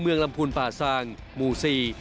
เมืองลำพูนป่าซางมูซี